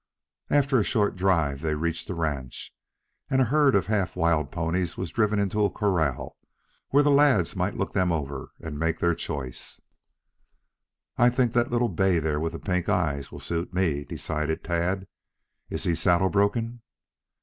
After a short drive they reached the ranch, and a herd of half wild ponies was driven into a corral where the lads might look them over and make their choice. "I think that little bay there, with the pink eyes will suit me," decided Tad. "Is he saddle broken?"